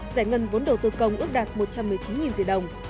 giải ngân vốn đầu tư công ước đạt một trăm một mươi chín tỷ đồng